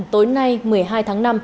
tối nay một mươi hai tháng năm